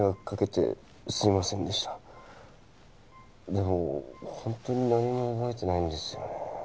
でも本当に何も覚えてないんですよね。